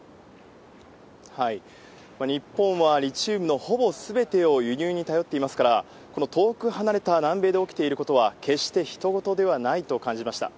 日本はリチウムのほぼすべてを輸入に頼っていますから、この遠く離れた南米で起きていることは、決してひと事ではないと感じました。